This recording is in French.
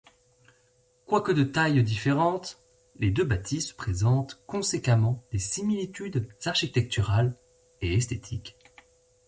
Quoique de tailles différentes, les deux bâtisses présentent conséquemment des similitudes architecturales et esthétiques.